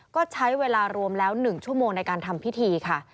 ก็ใช้เวลารวมแล้ว๑ชั่วโมงในการทำพิธีค่ะ